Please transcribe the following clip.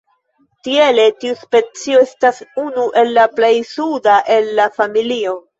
Tiele tiu specio estas unu el la plej suda el la familio.